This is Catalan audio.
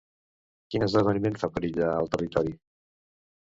Quin esdeveniment fa perillar el territori?